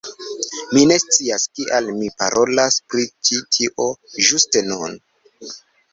Mi ne scias kial mi parolas pri ĉi tio ĝuste nun